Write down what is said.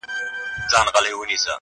دا نجلۍ لکه شبنم درپسې ژاړي,